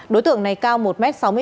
đối tượng này cao một m sáu mươi sáu